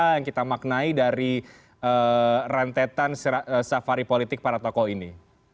apa yang kita maknai dari rentetan safari politik para tokoh ini